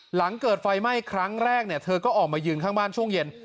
หลังเกิดไฟไหม้ครั้งแรกเธอก็ออกมายืนข้างบ้านช่วงเย็น